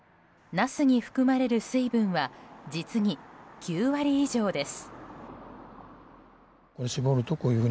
ナスに含まれる水分は実に９割以上です。